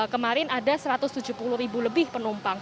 kemarin ada satu ratus tujuh puluh ribu lebih penumpang